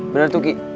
bener tuh ki